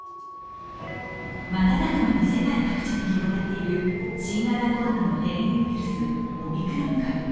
瞬く間に世界各地に広がっている新型コロナの変異ウイルス、オミクロン株。